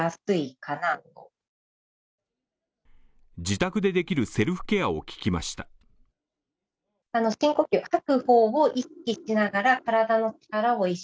自宅でできるセルフケアを聞きました。